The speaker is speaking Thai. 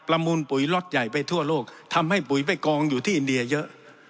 มูลปุ๋ยล็อตใหญ่ไปทั่วโลกทำให้ปุ๋ยไปกองอยู่ที่อินเดียเยอะ